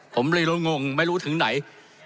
ผมเลยรู้งงไม่รู้ถึงไหน